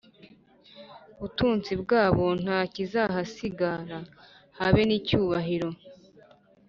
butunzi bwabo nta kizahasigara habe n icyubahiro